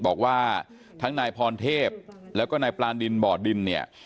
บอกว่าทั้งนายพรเทพและก็นายปราณดินบ่อดิน